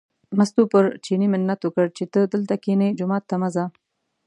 مستو پر چیني منت وکړ چې ته دلته کینې، جومات ته مه ځه.